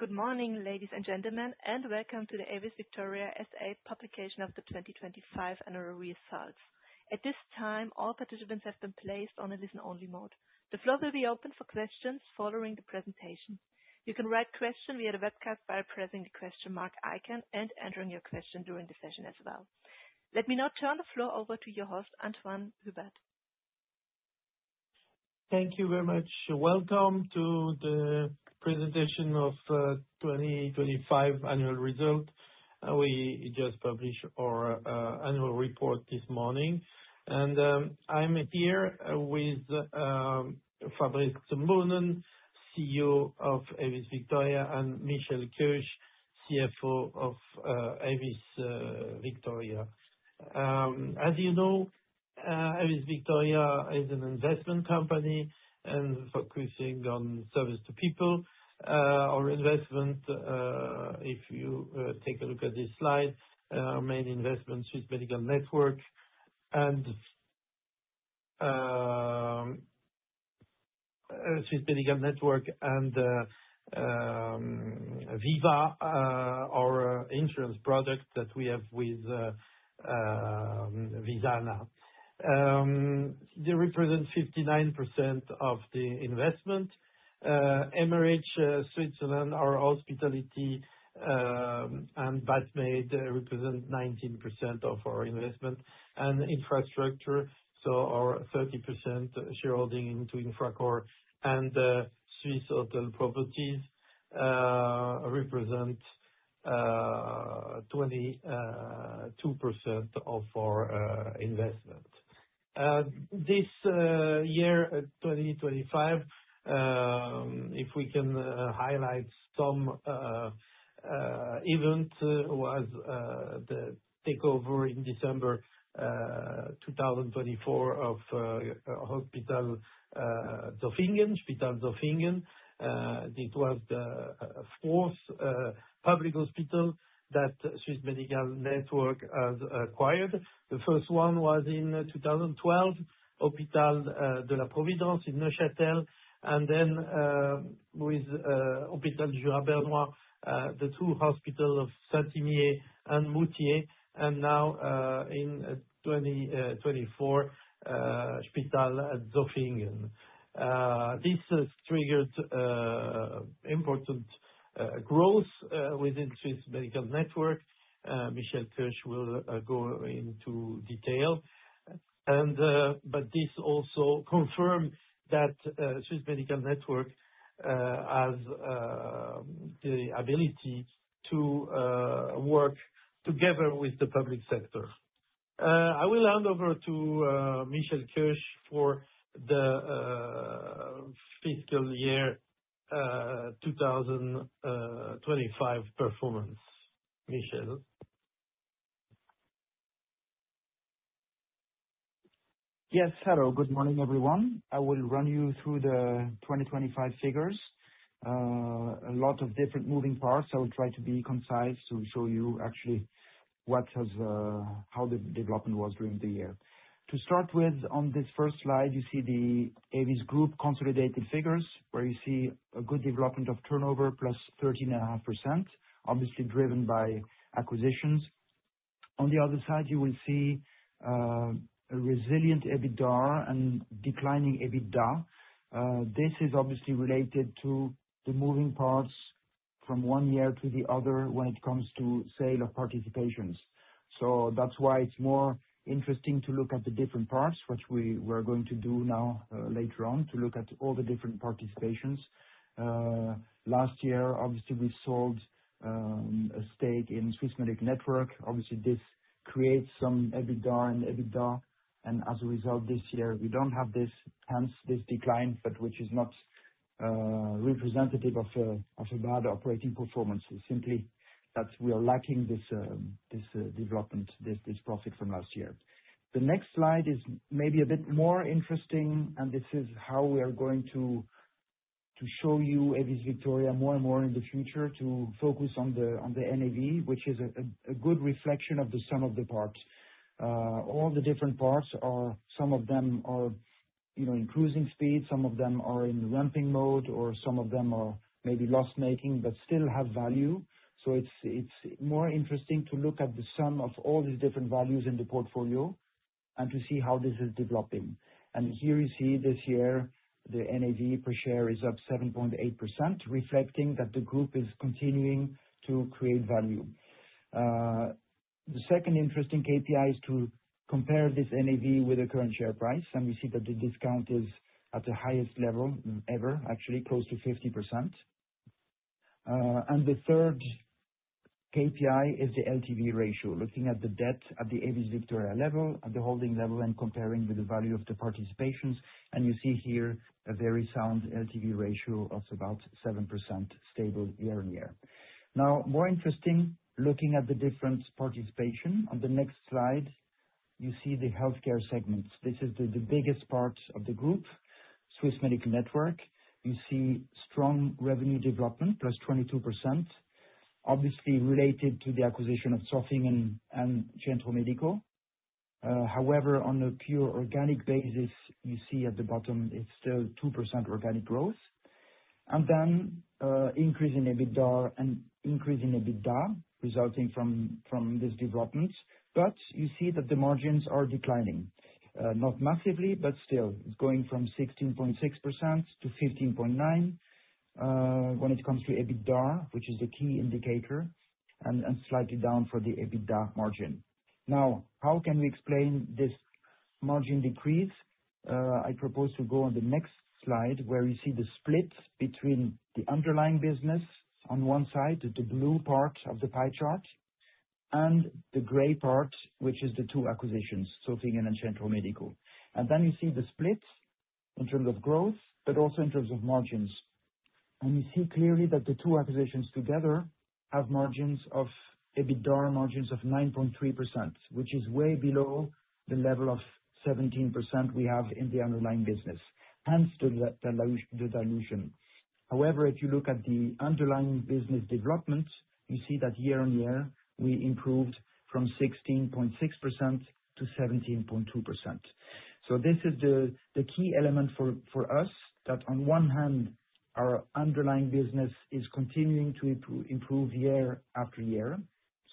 Good morning, ladies and gentlemen, and welcome to the AEVIS Victoria SA publication of the 2025 annual results. At this time, all participants have been placed on a listen-only mode. The floor will be open for questions following the presentation. You can write questions via the webcast by pressing the question mark icon and entering your question during the session as well. Let me now turn the floor over to your host, Antoine Hubert. Thank you very much. Welcome to the presentation of 2025 annual results. We just published our annual report this morning. I'm here with Fabrice Zumbrunnen, CEO of AEVIS VICTORIA, and Michel Keusch, CFO of AEVIS VICTORIA. As you know, AEVIS VICTORIA is an investment company focusing on service to people. Our investment, if you take a look at this slide, our main investment, Swiss Medical Network, and VIVA, our insurance product that we have with Visana. They represent 59% of the investment. MRH Switzerland, our hospitality, and Batmaid represent 19% of our investment, infrastructure, so our 30% shareholding into Infracore and Swiss Hotel Properties represent 22% of our investment. This year, 2025, if we can highlight some events, was the takeover in December 2024 of Spital Zofingen. This was the fourth public hospital that Swiss Medical Network has acquired. The first one was in 2012, Hôpital de la Providence in Neuchâtel, and then with Hôpital du Jura bernois, the two hospitals of Saint-Imier and Moutier, and now in 2024, Spital Zofingen. This has triggered important growth within Swiss Medical Network. Michel Keusch will go into detail. This also confirmed that Swiss Medical Network has the ability to work together with the public sector. I will hand over to Michel Keusch for the fiscal year 2025 performance. Michel? Yes. Hello. Good morning, everyone. I will run you through the 2025 figures. A lot of different moving parts. I'll try to be concise to show you actually how the development was during the year. To start with, on this first slide, you see the AEVIS Group consolidated figures where you see a good development of turnover plus 13.5%, obviously driven by acquisitions. On the other side, you will see a resilient EBITDA and declining EBIT. This is obviously related to the moving parts from one year to the other when it comes to sale of participations. That's why it's more interesting to look at the different parts, which we're going to do now later on, to look at all the different participations. Last year, obviously, we sold a stake in Swiss Medical Network. Obviously, this creates some EBIT and EBITDA, and as a result, this year, we don't have this, hence this decline, but which is not representative of a bad operating performance. It's simply that we are lacking this development, this profit from last year. The next slide is maybe a bit more interesting. This is how we are going to show you AEVIS VICTORIA more and more in the future to focus on the NAV, which is a good reflection of the sum of the parts. All the different parts, some of them are in cruising speed, some of them are in ramping mode, or some of them are maybe loss-making but still have value. It's more interesting to look at the sum of all these different values in the portfolio and to see how this is developing. Here you see this year, the NAV per share is up 7.8%, reflecting that the group is continuing to create value. The second interesting KPI is to compare this NAV with the current share price, and we see that the discount is at the highest level ever, actually close to 50%. The third KPI is the LTV ratio, looking at the debt at the AEVIS VICTORIA level, at the holding level, and comparing with the value of the participations. You see here a very sound LTV ratio of about 7%, stable year-on-year. Now, more interesting, looking at the different participation. On the next slide, you see the healthcare segment. This is the biggest part of the group, Swiss Medical Network. You see strong revenue development, +22%, obviously related to the acquisition of Spital Zofingen and Centro Medico. On a pure organic basis, you see at the bottom it's still 2% organic growth. Increase in EBITDA resulting from this development. You see that the margins are declining, not massively, but still going from 16.6%-15.9%, when it comes to EBITDA, which is a key indicator, and slightly down for the EBITDA margin. How can we explain this margin decrease? I propose to go on the next slide, where we see the split between the underlying business on one side, the blue part of the pie chart, and the gray part, which is the two acquisitions, Spital Zofingen and Centro Medico. You see the split in terms of growth, also in terms of margins. You see clearly that the two acquisitions together have EBITDA margins of 9.3%, which is way below the level of 17% we have in the underlying business, hence the dilution. However, if you look at the underlying business development, you see that year-on-year we improved from 16.6% to 17.2%. This is the key element for us, that on one hand, our underlying business is continuing to improve year after year.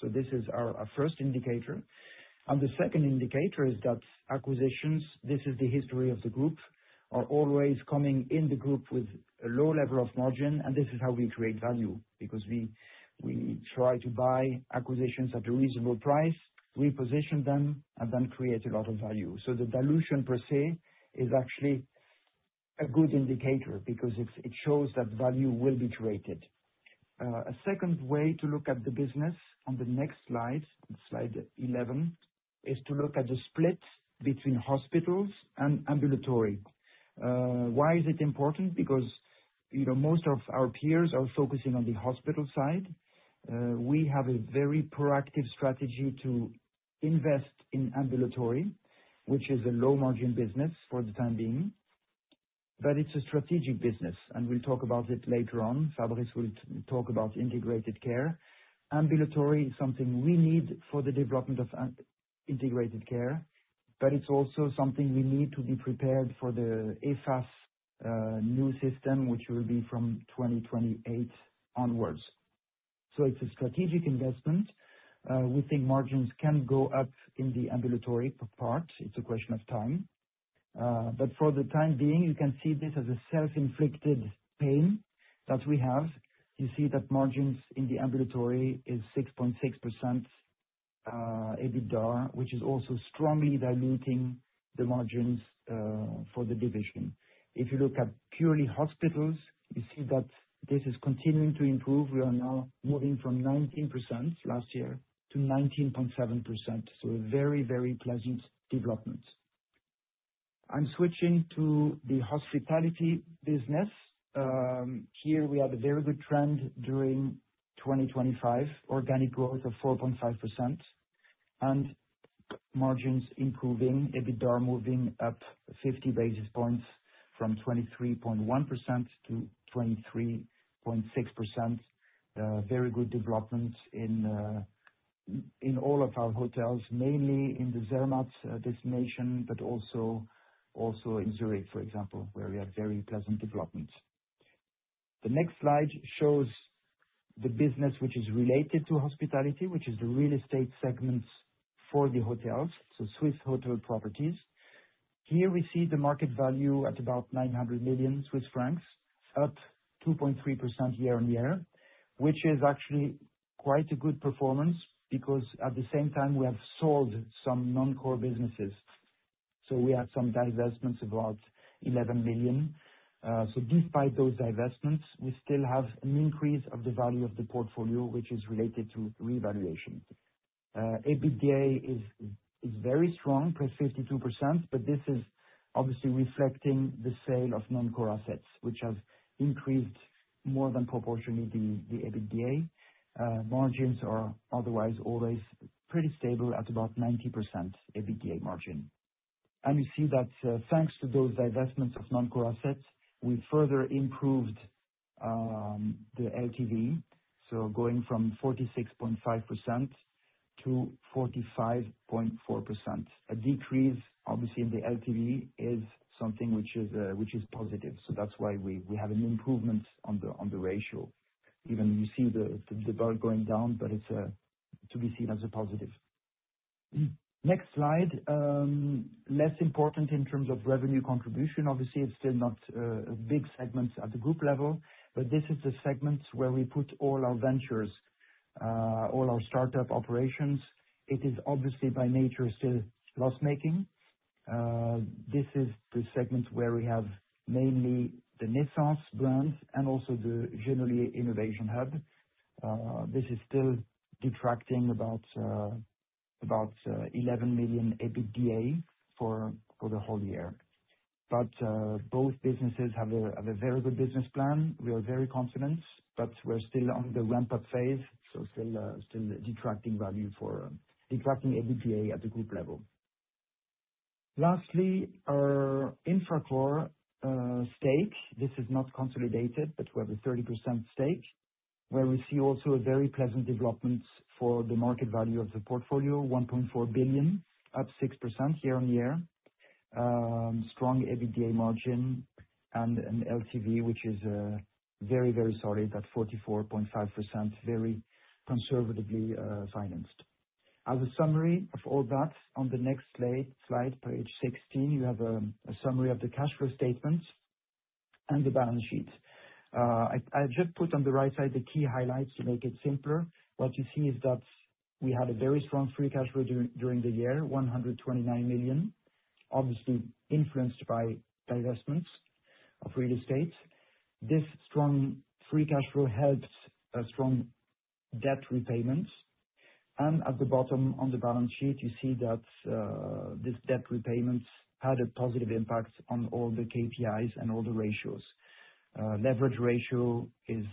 This is our first indicator. The second indicator is that acquisitions, this is the history of the group, are always coming in the group with a low level of margin, and this is how we create value. Because we try to buy acquisitions at a reasonable price, reposition them, and then create a lot of value. The dilution per se is actually a good indicator because it shows that value will be created. A second way to look at the business on the next slide 11, is to look at the split between hospitals and ambulatory. Why is it important? Because most of our peers are focusing on the hospital side. We have a very proactive strategy to invest in ambulatory, which is a low-margin business for the time being, but it's a strategic business, and we'll talk about it later on. Fabrice will talk about integrated care. Ambulatory is something we need for the development of integrated care. It's also something we need to be prepared for the EFAS new system, which will be from 2028 onwards. It's a strategic investment. We think margins can go up in the ambulatory part. It's a question of time. For the time being, you can see this as a self-inflicted pain that we have. You see that margins in the ambulatory is 6.6% EBITDA, which is also strongly diluting the margins for the division. If you look at purely hospitals, you see that this is continuing to improve. We are now moving from 19% last year to 19.7%, so a very, very pleasant development. I'm switching to the hospitality business. Here we have a very good trend during 2025, organic growth of 4.5% and margins improving. EBITDA moving up 50 basis points from 23.1% to 23.6%. Very good development in all of our hotels, mainly in the Zermatt destination, but also in Zurich, for example, where we have very pleasant developments. The next slide shows the business which is related to hospitality, which is the real estate segment for the hotels, so Swiss Hotel Properties. Here we see the market value at about 900 million Swiss francs, +2.3% year-over-year, which is actually quite a good performance because at the same time we have sold some non-core businesses. We have some divestments, about 11 million. Despite those divestments, we still have an increase of the value of the portfolio, which is related to revaluation. EBITDA is very strong, +52%, but this is obviously reflecting the sale of non-core assets, which have increased more than proportionally the EBITDA. Margins are otherwise always pretty stable at about 90% EBITDA margin. You see that thanks to those divestments of non-core assets, we further improved the LTV. Going from 46.5% to 45.4%. A decrease, obviously, in the LTV is something which is positive. That's why we have an improvement on the ratio, even if you see the dot going down, but it's to be seen as a positive. Next slide. Less important in terms of revenue contribution. Obviously, it's still not a big segment at the group level, but this is the segment where we put all our ventures, all our startup operations. It is obviously by nature still loss-making. This is the segment where we have mainly the Nescens brand and also the Genolier Innovation Hub. This is still detracting about 11 million EBITDA for the whole year. Both businesses have a very good business plan. We are very confident, but we're still on the ramp-up phase, so still detracting EBITDA at the group level. Lastly, our Infracore stakes. This is not consolidated, but we have a 30% stake, where we see also a very pleasant development for the market value of the portfolio, 1.4 billion at 6% year-on-year. Strong EBITDA margin and an LTV, which is very solid at 44.5%, very conservatively financed. As a summary of all that, on the next slide, page 16, you have a summary of the cash flow statement and the balance sheet. I just put on the right side the key highlights to make it simpler. What you see is that we had a very strong free cash flow during the year, 129 million, obviously influenced by divestments of real estate. This strong free cash flow helps strong debt repayments. At the bottom, on the balance sheet, you see that this debt repayments had a positive impact on all the KPIs and all the ratios. Leverage ratio is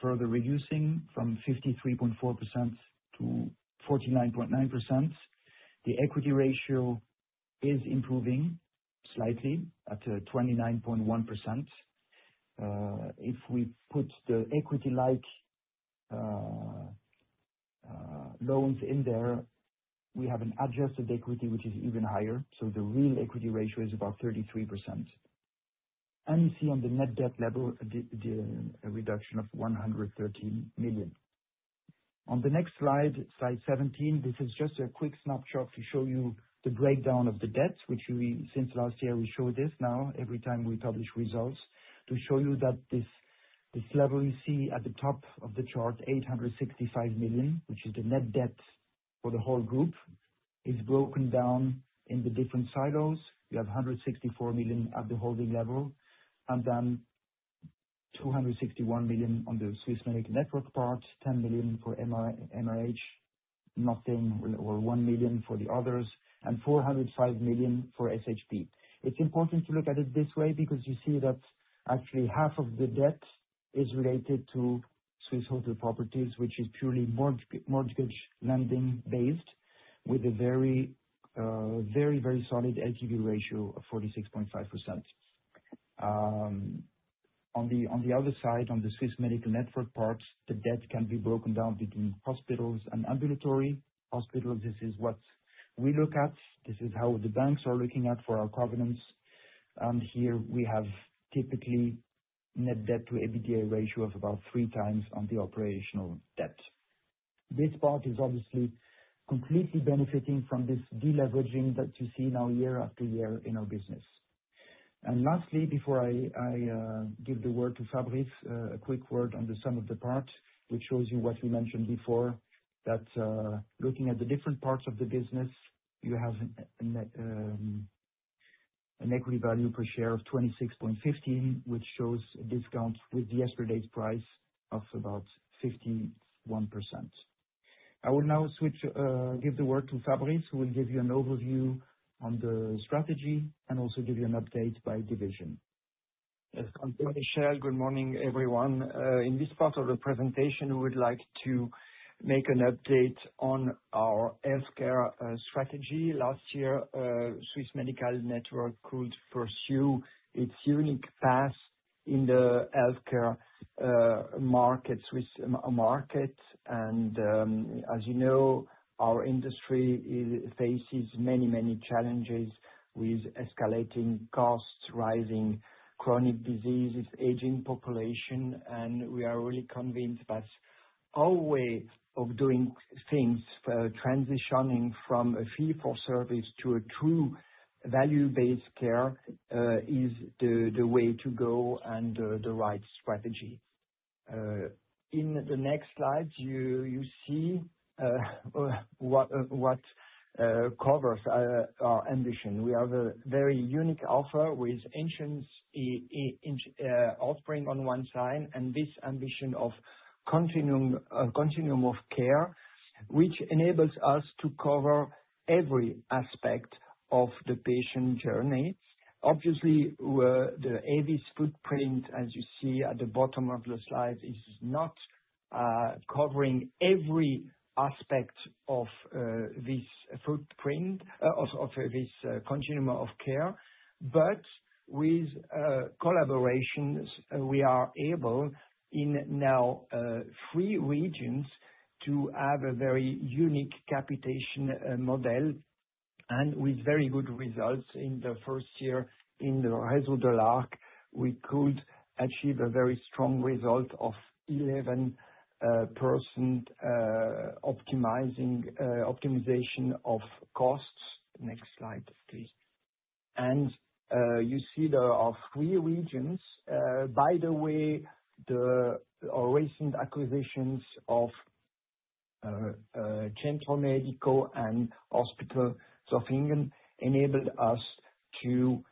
further reducing from 53.4% to 49.9%. The equity ratio is improving slightly at 29.1%. If we put the equity-like loans in there, we have an adjusted equity, which is even higher. The real equity ratio is about 33%. You see on the net debt level, a reduction of 113 million. On the next slide 17, this is just a quick snapshot to show you the breakdown of the debts, which since last year we show this now every time we publish results to show you that this level you see at the top of the chart, 865 million, which is the net debt for the whole group, is broken down in the different silos. You have 164 million at the holding level, then 261 million on the Swiss Medical Network part, 10 million for MRH, nothing or 1 million for the others, and 405 million for SHP. It's important to look at it this way because you see that actually half of the debt is related to Swiss Hotel Properties, which is purely mortgage lending based with a very, very solid LTV ratio of 46.5%. On the other side, on the Swiss Medical Network parts, the debt can be broken down between hospitals and ambulatory hospitals. This is what we look at. This is how the banks are looking at for our covenants. Here we have typically net debt to EBITDA ratio of about three times on the operational debt. This part is obviously completely benefiting from this deleveraging that you see now year after year in our business. Lastly, before I give the word to Fabrice, a quick word on the sum of the parts, which shows you what you mentioned before, that looking at the different parts of the business, you have an equity value per share of 26.15, which shows a discount with yesterday's price of about 51%. I will now give the word to Fabrice, who will give you an overview on the strategy and also give you an update by division. Thank you, Michel. Good morning, everyone. In this part of the presentation, we would like to make an update on our healthcare strategy. Last year, Swiss Medical Network could pursue its unique path in the healthcare market, Swiss market. As you know, our industry faces many challenges with escalating costs, rising chronic diseases, aging population, and we are really convinced that our way of doing things, transitioning from a fee-for-service to a true value-based care, is the way to go and the right strategy. In the next slide, you see what covers our ambition. We have a very unique offer with insurance offering on one side, this ambition of continuum of care, which enables us to cover every aspect of the patient journey. Obviously, the AEVIS footprint, as you see at the bottom of the slide, is not covering every aspect of this continuum of care. With collaborations, we are able in now three regions to have a very unique capitation model and with very good results. In the first year in the Réseau de l'Arc, we could achieve a very strong result of 11% optimization of costs. Next slide, please. You see there are three regions. By the way, our recent acquisitions of Centre Médical Bienne and Hôpital du Jura bernois enabled us to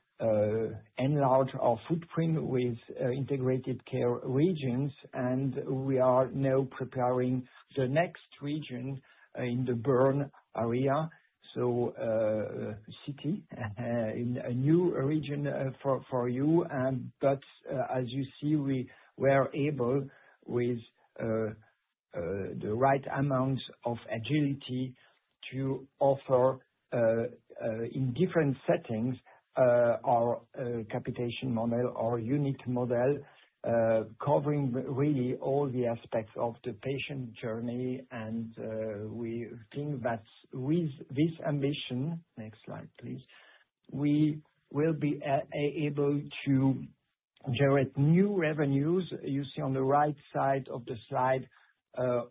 enlarge our footprint with integrated care regions, and we are now preparing the next region in the Bern area, so a city, a new region for you. As you see, we were able with the right amount of agility to offer in different settings, our capitation model or unit model, covering really all the aspects of the patient journey. We think that with this ambition, next slide, please. We will be able to generate new revenues. You see on the right side of the slide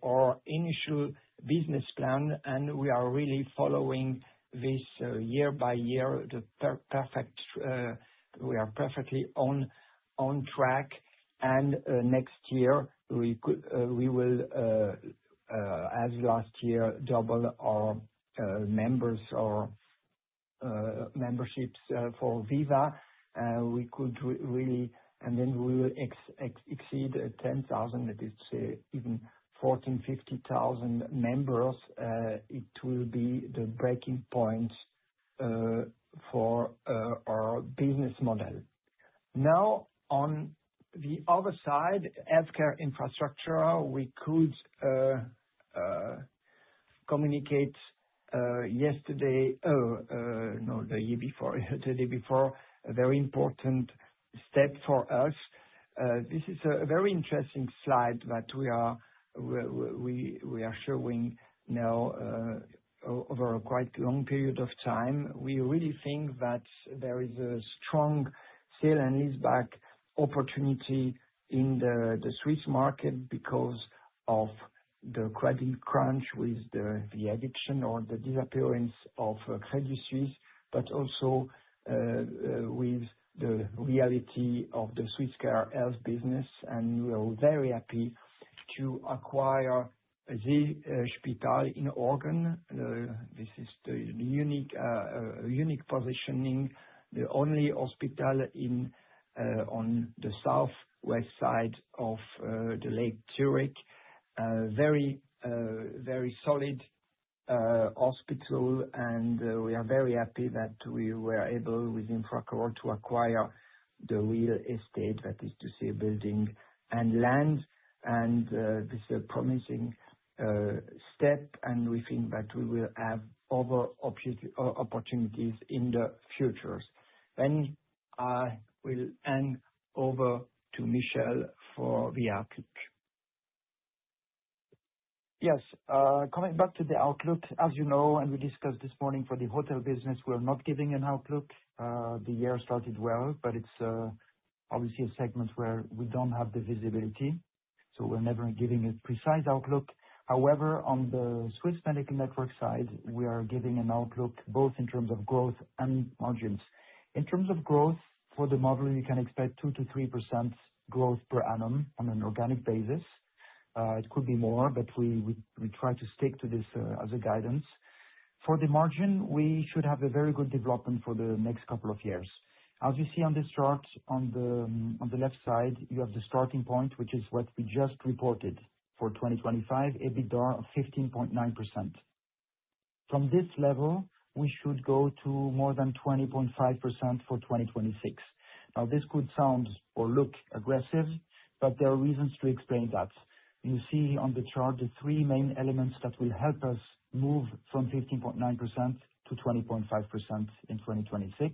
our initial business plan. We are really following this year by year. We are perfectly on track. Next year, we will, as last year, double our members, our memberships for VIVA. We will exceed 10,000. Let's say even 14,000, 15,000 members. It will be the breaking point for our business model. Now, on the other side, healthcare infrastructure, we could communicate yesterday. No, the day before, a very important step for us. This is a very interesting slide that we are showing now over quite a long period of time. We really think that there is a strong sale and leaseback opportunity in the Swiss market because of the credit crunch with the eviction or the disappearance of Credit Suisse, but also with the reality of the Swiss care health business, and we are very happy to acquire the hospital in Horgen. This is a unique positioning, the only hospital on the southwest side of the Lake Zurich, a very solid hospital, and we are very happy that we were able, with Infracore, to acquire the real estate, that is to say, building and land, and this is a promising step, and we think that we will have other opportunities in the future. I will hand over to Michel for the outlook. Yes. Coming back to the outlook, as you know, and we discussed this morning for the hotel business, we are not giving an outlook. The year started well, but it's obviously a segment where we don't have the visibility, so we're never giving a precise outlook. However, on the Swiss Medical Network side, we are giving an outlook both in terms of growth and margins. In terms of growth for the model, you can expect 2%-3% growth per annum on an organic basis. It could be more, but we try to stick to this as a guidance. For the margin, we should have a very good development for the next couple of years. As you see on this chart, on the left side, you have the starting point, which is what we just reported for 2025, EBITDA of 15.9%. From this level, we should go to more than 20.5% for 2026. Now, this could sound or look aggressive, but there are reasons to explain that. You see on the chart the three main elements that will help us move from 15.9% to 20.5% in 2026.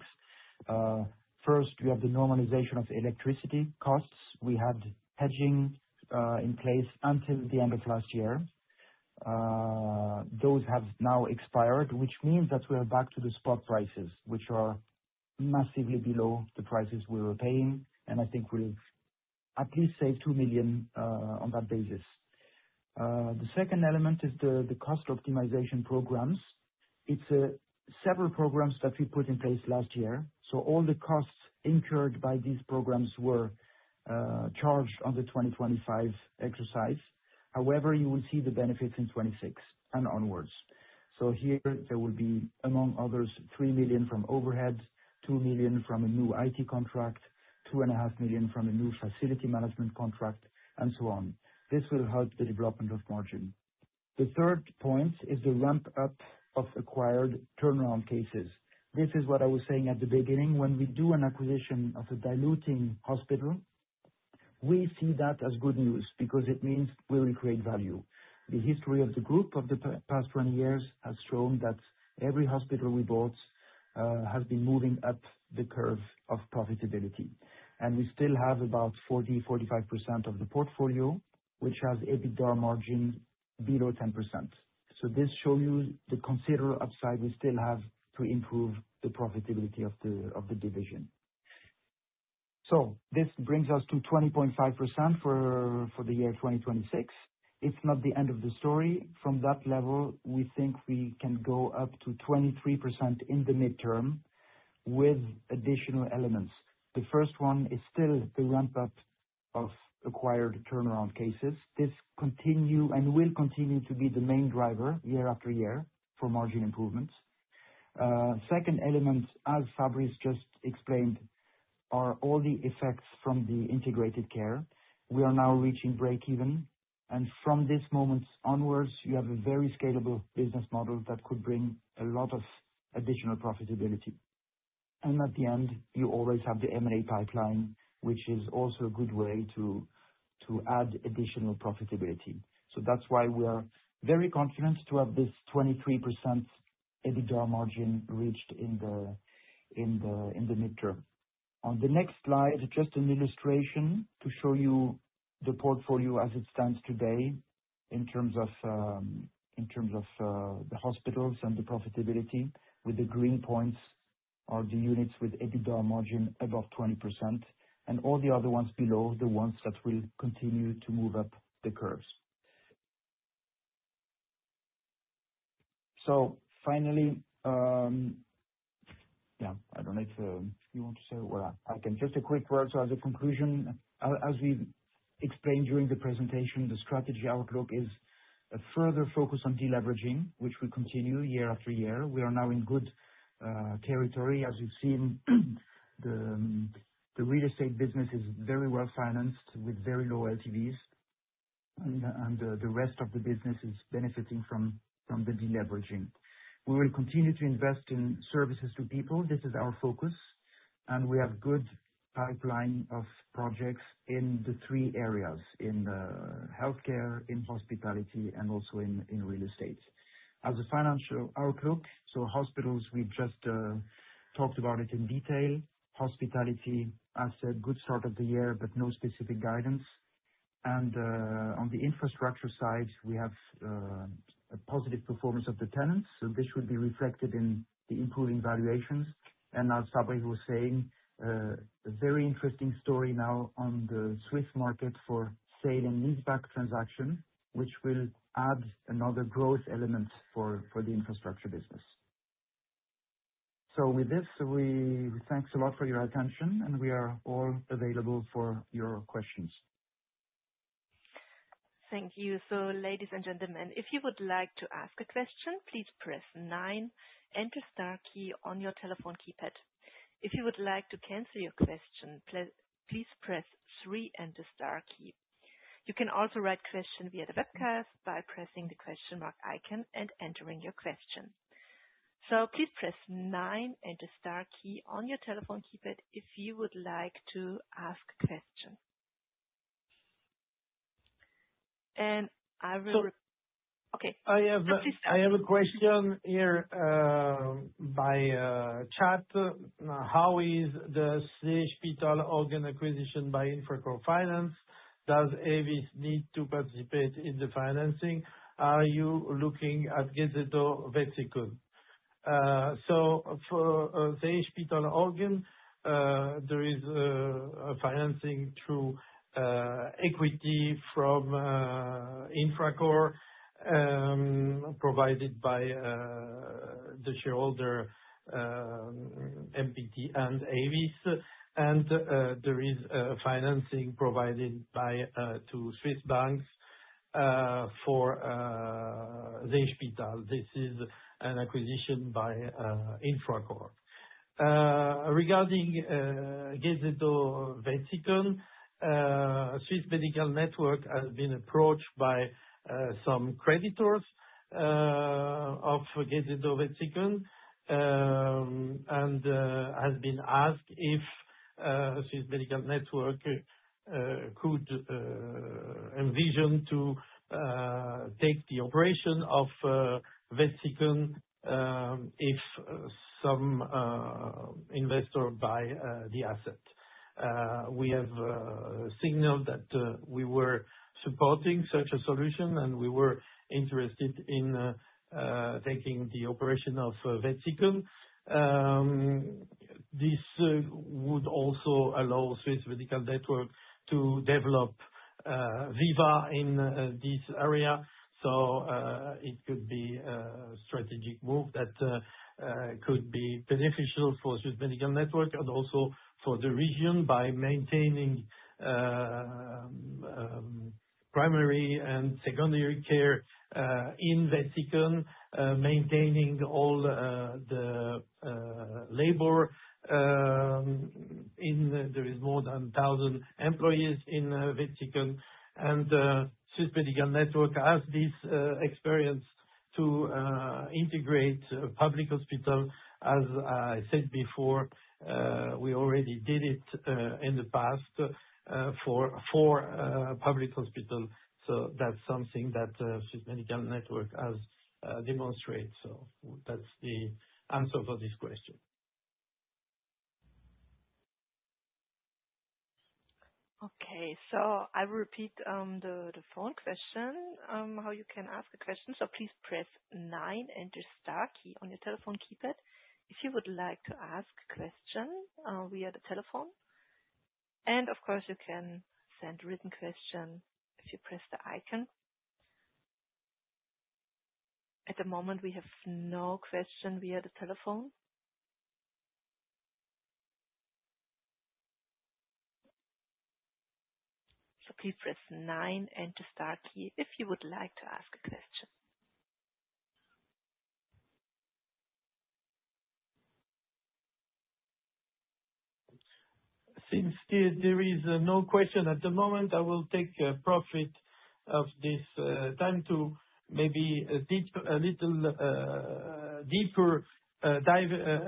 First, we have the normalization of electricity costs. We had hedging in place until the end of last year. Those have now expired, which means that we're back to the spot prices, which are massively below the prices we were paying, and I think we've at least saved 2 million on that basis. The second element is the cost optimization programs. It's several programs that we put in place last year. All the costs incurred by these programs were charged on the 2025 exercise. However, you will see the benefits in 2026 and onwards. Here there will be, among others, 3 million from overhead, 2 million from a new IT contract, two and a half million from a new facility management contract, and so on. This will help the development of margin. The third point is the ramp-up of acquired turnaround cases. This is what I was saying at the beginning. When we do an acquisition of a diluting hospital, we see that as good news because it means we will create value. The history of the group of the past 20 years has shown that every hospital we bought has been moving up the curve of profitability, and we still have about 40%-45% of the portfolio, which has EBITDA margin below 10%. This shows you the considerable upside we still have to improve the profitability of the division. This brings us to 20.5% for the year 2026. It's not the end of the story. From that level, we think we can go up to 23% in the mid-term with additional elements. The first one is still the ramp-up of acquired turnaround cases. This continue and will continue to be the main driver year after year for margin improvements. Second element, as Fabrice just explained, are all the effects from the integrated care. We are now reaching breakeven, from this moment onwards, you have a very scalable business model that could bring a lot of additional profitability. At the end, you always have the M&A pipeline, which is also a good way to add additional profitability. That's why we're very confident to have this 23% EBITDA margin reached in the mid-term. On the next slide, just an illustration to show you the portfolio as it stands today in terms of the hospitals and the profitability, with the green points are the units with EBITDA margin above 20%, and all the other ones below are the ones that will continue to move up the curves. Finally, I don't know if you want to say, or I can. Just a quick word. The conclusion, as we explained during the presentation, the strategy outlook is a further focus on deleveraging, which will continue year after year. We are now in good territory. As you've seen, the real estate business is very well financed with very low LTVs, and the rest of the business is benefiting from the deleveraging. We will continue to invest in services to people. This is our focus, we have good pipeline of projects in the three areas, in the healthcare, in hospitality, and also in real estate. As a financial outlook, hospitals, we've just talked about it in detail. Hospitality, as said, good start of the year, no specific guidance. On the infrastructure side, we have a positive performance of the tenants. This will be reflected in the improving valuations. As Fabrice was saying, a very interesting story now on the Swiss market for sale and leaseback transaction, which will add another growth element for the infrastructure business. With this, thanks a lot for your attention, we are all available for your questions. Thank you. Ladies and gentlemen, if you would like to ask a question, please press nine and the star key on your telephone keypad. If you would like to cancel your question, please press three and the star key. You can also write questions via the webcast by pressing the question mark icon and entering your question. Please press nine and the star key on your telephone keypad if you would like to ask a question. I have a question here by chat. How is the See-Spital Horgen acquisition by Infracore? Does AEVIS need to participate in the financing? Are you looking at GZO Spital Wetzikon? For See-Spital Horgen, there is a financing through equity from Infracore, provided by the shareholder, MPT and AEVIS, and there is financing provided to Swiss banks for the hospital. This is an acquisition by Infracore. Regarding GZO Spital Wetzikon, Swiss Medical Network has been approached by some creditors of GZO Spital Wetzikon, and has been asked if Swiss Medical Network could envision to take the operation of Wetzikon if some investor buy the asset. We have signaled that we were supporting such a solution, and we were interested in taking the operation of Wetzikon. This would also allow Swiss Medical Network to develop VIVA in this area. It could be a strategic move that could be beneficial for Swiss Medical Network and also for the region by maintaining primary and secondary care in Wetzikon, maintaining all the labor. There is more than 1,000 employees in Wetzikon, and Swiss Medical Network has this experience to integrate public hospital. As I said before, we already did it in the past for public hospitals. That's something that Swiss Medical Network has demonstrated. That's the answer for this question. Okay. I repeat the phone question, how you can ask a question. Please press nine and the star key on your telephone keypad if you would like to ask a question via the telephone. Of course, you can send written question if you press the icon. At the moment, we have no question via the telephone. Please press nine and the star key if you would like to ask a question. Since there is no question at the moment, I will take profit of this time to maybe dive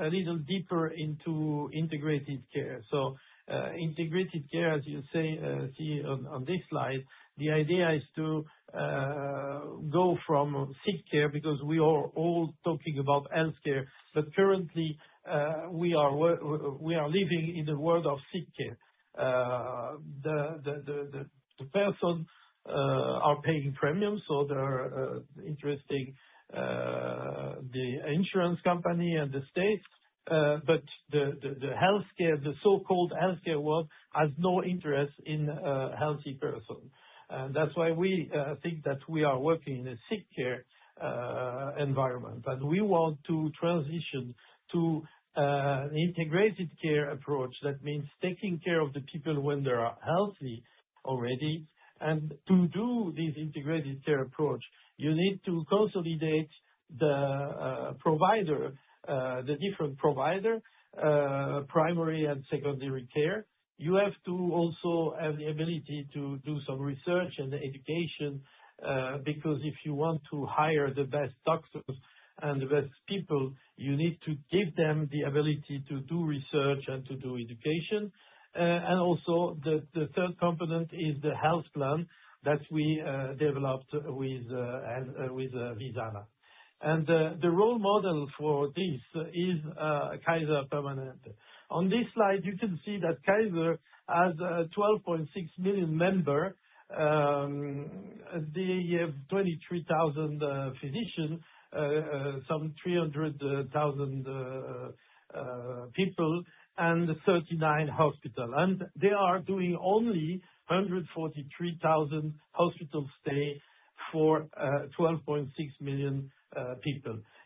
a little deeper into integrated care. Integrated care, as you see on this slide, the idea is to go from sick care, because we are all talking about healthcare, but currently, we are living in the world of sick care. The persons are paying premiums, so they're interesting the insurance company and the state, but the so-called healthcare world has no interest in a healthy person. That's why we think that we are working in a sick care environment, and we want to transition to integrated care approach. That means taking care of the people when they are healthy already. To do this integrated care approach, you need to consolidate the different provider, primary and secondary care. You have to also have the ability to do some research and education, because if you want to hire the best doctors and the best people, you need to give them the ability to do research and to do education. Also, the third component is the health plan that we developed with Visana. The role model for this is Kaiser Permanente. On this slide, you can see that Kaiser has 12.6 million member. They have 23,000 physicians, some 300,000 people and 39 hospital. They are doing only 143,000 hospital stay for 12.6 million people.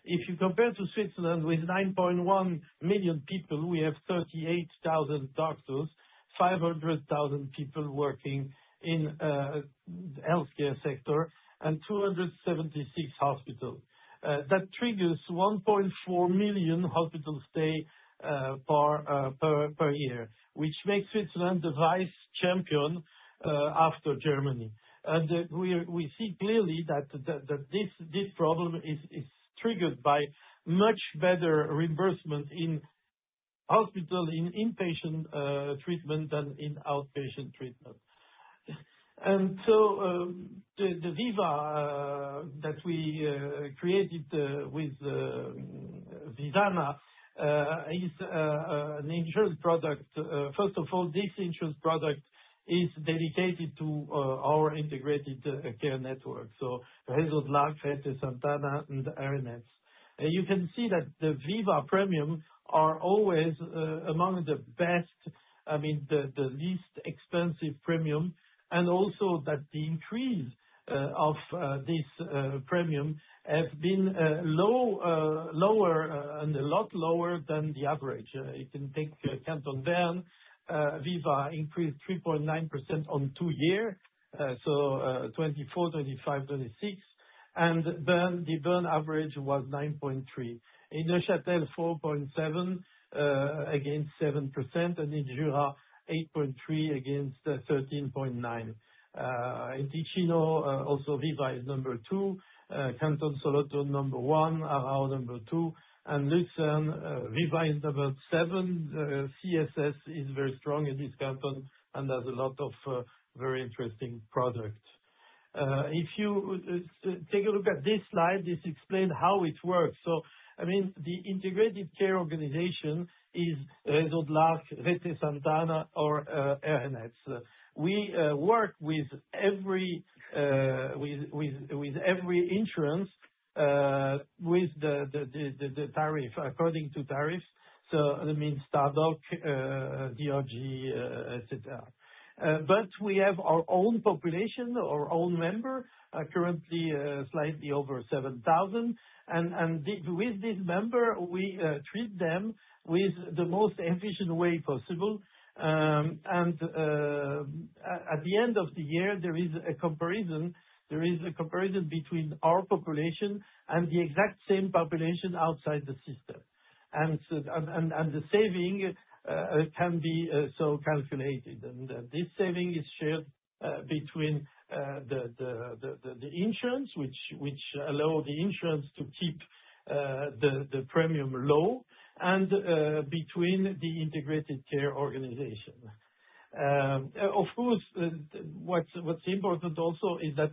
If you compare to Switzerland with 9.1 million people, we have 38,000 doctors, 500,000 people working in healthcare sector and 276 hospital. That triggers 1.4 million hospital stay per year, which makes Switzerland the vice champion after Germany. We see clearly that this problem is triggered by much better reimbursement in hospital in inpatient treatment than in outpatient treatment. The VIVA that we created with Visana is an insurance product. First of all, this insurance product is dedicated to our integrated care network. Réseau de l'Arc, Vesta Santé, and Aerones. You can see that the VIVA premiums are always among the best, I mean, the least expensive premium, and also that the increase of this premium has been a lot lower than the average. You can take the Canton Bern, VIVA increased 3.9% on two year. 2024, 2025, 2026. The Bern average was 9.3%. In Neuchâtel 4.7% against 7%, and in Jura 8.3% against 13.9%. In Ticino, also VIVA is number 2. Canton Solothurn number one, our number two. Lucerne, VIVA is number seven. CSS is very strong in this canton and has a lot of very interesting products. If you take a look at this slide, this explains how it works. The integrated care organization is Réseau de l'Arc, Vesta Santé, or Aerones. We work with every insurance with the tariff, according to tariffs. I mean, TARMED, KVG, et cetera. But we have our own population, our own member, currently slightly over 7,000. With this member, we treat them with the most efficient way possible. At the end of the year, there is a comparison between our population and the exact same population outside the system. The saving can be so calculated. This saving is shared between the insurance, which allow the insurance to keep the premium low and between the integrated care organization. Of course, what's important also is that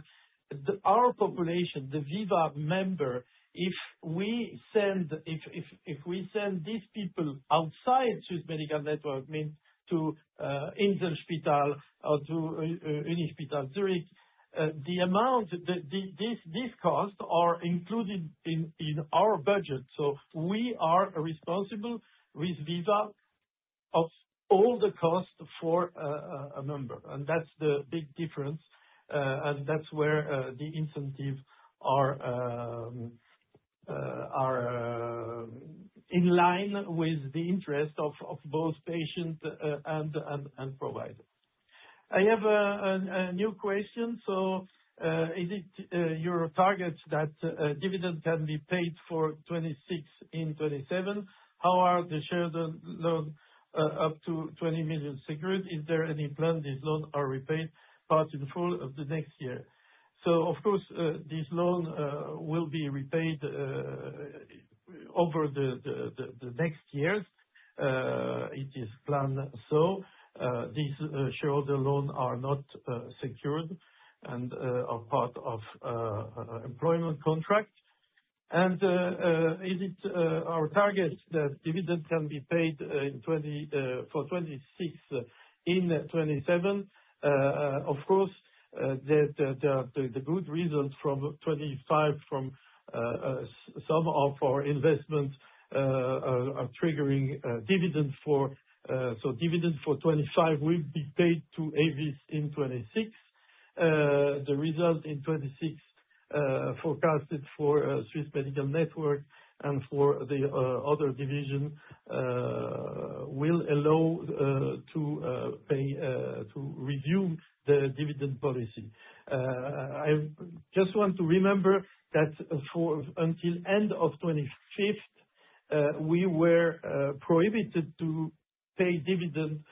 our population, the VIVA member, if we send these people outside Swiss Medical Network, means to Inselspital or to any hospital, these costs are included in our budget. We are responsible with Visana of all the cost for a member, and that's the big difference, and that's where the incentives are in line with the interest of both patients and provider. I have a new question. Is it your target that dividend can be paid for 2026 and 2027? How are the shareholder loans up to 20 million secured? Is there any plan these loans are repaid part in full of the next year? Of course, these loans will be repaid over the next years. It is planned so. These shareholder loans are not secured and are part of employment contracts. Is it our target that dividend can be paid for 2026 and 2027? Of course, there are good reasons from 2025 from some of our investments are triggering dividends. Dividends for 2025 will be paid to AEVIS in 2026. The result in 2026, forecasted for Swiss Medical Network and for the other division, will allow to resume the dividend policy. I just want to remember that until end of 2015, we were prohibited to pay dividends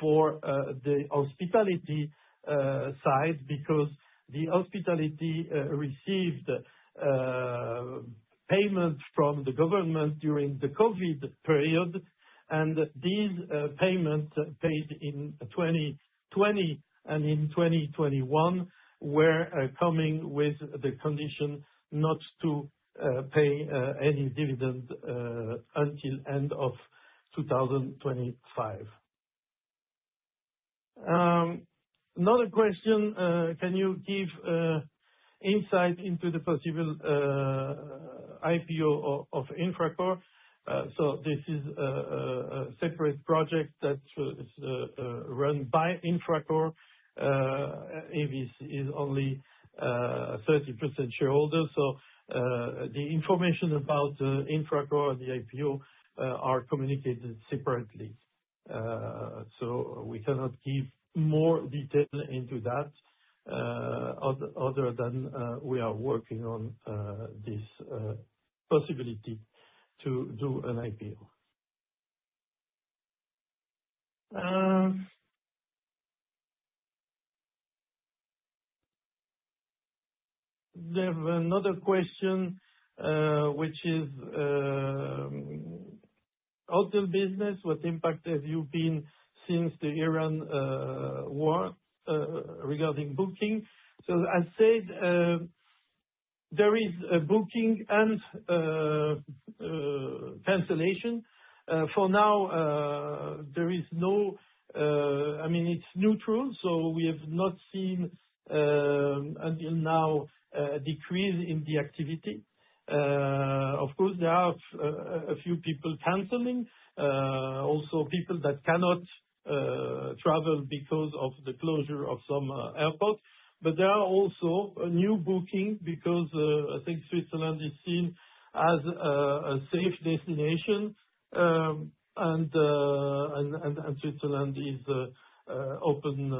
for the hospitality side because the hospitality received payments from the government during the COVID period, and these payments paid in 2020 and in 2021 were coming with the condition not to pay any dividends until end of 2025. Another question, can you give insight into the possible IPO of Infracore? AEVIS is only a 30% shareholder. The information about Infracore and the IPO are communicated separately. We cannot give more detail into that other than we are working on this possibility to do an IPO. There's another question, which is hotel business. What impact has there been since the Iran war regarding booking? As said, there is a booking and cancellation. For now, it's neutral, so we have not seen until now a decrease in the activity. Of course, there are a few people canceling. Also people that cannot travel because of the closure of some airports. There are also new booking because I think Switzerland is seen as a safe destination, and Switzerland is open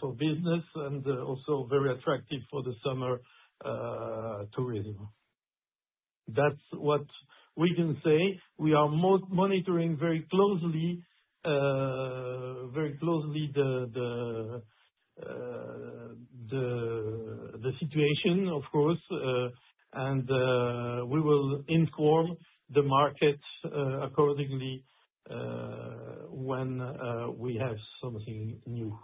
for business and also very attractive for the summer tourism. That's what we can say. We are monitoring very closely the situation, of course, and we will inform the market accordingly when we have something new.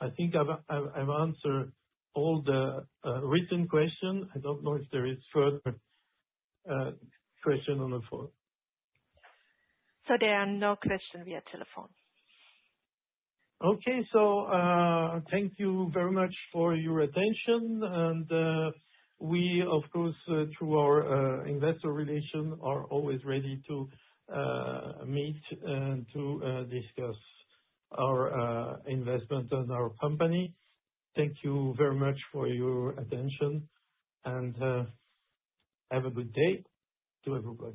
I think I've answered all the written questions. I don't know if there is further questions on the phone. There are no questions via telephone. Okay. Thank you very much for your attention. We, of course, through our investor relations, are always ready to meet and to discuss our investment and our company. Thank you very much for your attention, and have a good day to everybody.